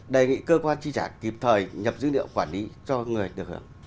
đề nghị cơ quan chi trả kịp thời nhập dữ liệu quản lý cho người được hưởng